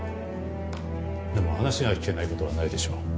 でも話が聞けない事はないでしょう。